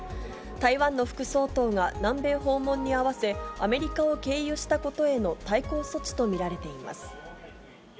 台湾の副総統が南米訪問に合わせ、アメリカを経由したことへの対抗措置と見られています。